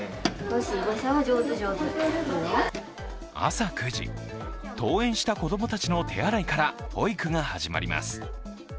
朝９時、登園した子供たちの手洗いから保育が始まります。